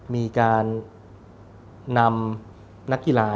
มีการนำนักกีฬา